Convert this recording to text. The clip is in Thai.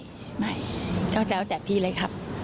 ไม่ก็แล้วแต่พี่เลยครับ